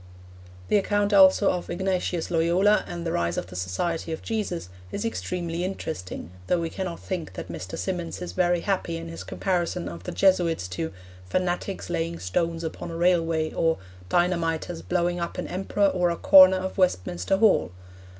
The account also of Ignatius Loyola and the rise of the Society of Jesus is extremely interesting, though we cannot think that Mr. Symonds is very happy in his comparison of the Jesuits to 'fanatics laying stones upon a railway' or 'dynamiters blowing up an emperor or a corner of Westminster Hall.'